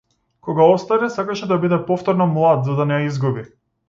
Кога остаре, сакаше да биде повторно млад за да не ја изгуби.